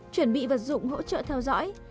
chuẩn bị vật dụng hỗ trợ theo dõi